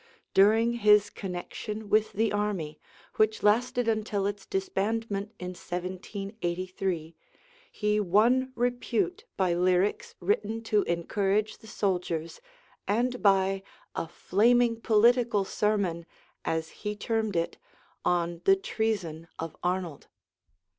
During his connection with the army, which lasted until its disbandment in 1783, he won repute by lyrics written to encourage the soldiers, and by "a flaming political sermon," as he termed it, on the treason of Arnold.